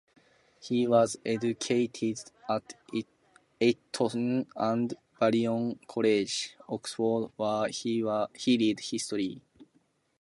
He was educated at Eton and Balliol College, Oxford, where he read history.